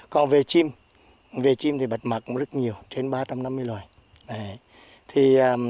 còn về chim bạch mạc cũng rất nhiều trên ba trăm năm mươi loài